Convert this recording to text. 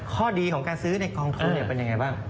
ข้อดีของการซื้อในกองทุนเป็นยังไงบ้าง